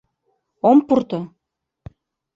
Ом пурто!